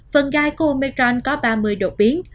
phần gai của omicron có ba mươi đột biến